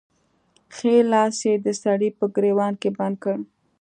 ښی لاس يې د سړي په ګرېوان کې بند کړ.